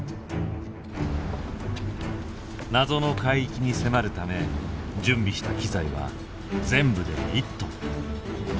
謎の海域に迫るため準備した機材は全部で１トン。